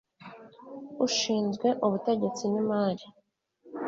ushinzwe ubutegetsi n imari